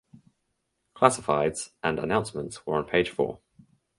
Classifieds and announcements were on page four.